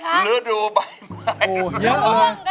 นี่คือฤดูใบไม้ร่วงหรือยังไงคะ